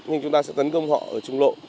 nhưng chúng ta sẽ tấn công họ ở trung lộ